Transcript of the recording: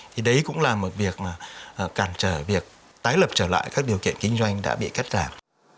thì đấy cũng là một việc cản trở việc tái lập trở lại các điều kiện kinh doanh đã bị cắt giảm